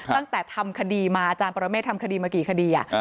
ตั้งแต่ทำคดีมาอาจารย์ปรเมฆทำคดีมากี่คดี